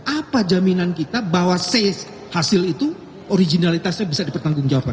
apa jaminan kita bahwa hasil itu originalitasnya bisa dipertanggungjawabkan